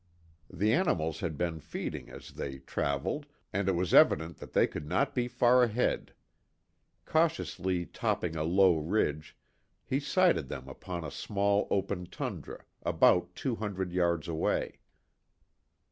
The animals had been feeding as they traveled and it was evident that they could not be far ahead. Cautiously topping a low ridge, he sighted them upon a small open tundra, about two hundred yards away.